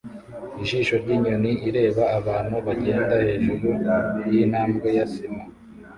Ijisho ryinyoni ireba abantu bagenda hejuru yintambwe ya sima